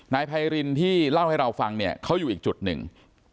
นายผายรินที่เล่าให้เราฟังเขาอยู่อีกจุดนึง